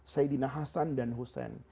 sayyidina hasan dan hussein